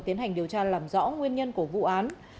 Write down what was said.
tiến hành điều tra làm rõ nguyên nhân của vụ án